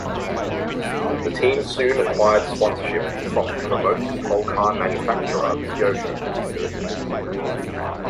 The team soon acquired sponsorship from remote control car manufacturer Kyosho.